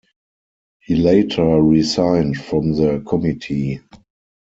He later resigned from the committee.